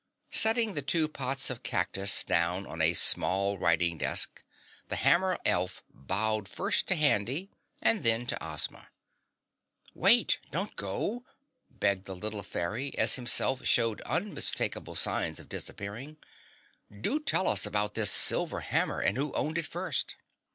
Setting the two pots of cactus down on a small writing desk, the hammer elf bowed first to Handy and then to Ozma. "Wait! Don't go!" begged the little Fairy as Himself showed unmistakable signs of disappearing. "Do tell us about this silver hammer and who owned it first."